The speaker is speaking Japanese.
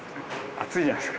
熱いんじゃないですか？